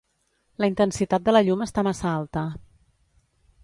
La intensitat de la llum està massa alta.